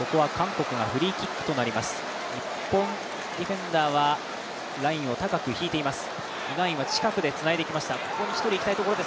日本のディフェンダーはラインを高く引いています。